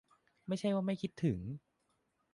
ไม่ใช่ว่าไม่คิดถึง